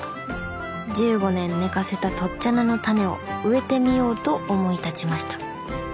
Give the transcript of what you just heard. １５年寝かせたとっちゃ菜のタネを植えてみようと思い立ちました。